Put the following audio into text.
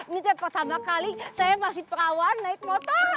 ini pertama kali saya masih perawan naik motor